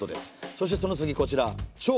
そしてその次こちら調。